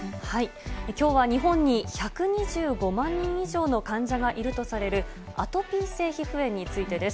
きょうは日本に１２５万人以上の患者がいるとされるアトピー性皮膚炎についてです。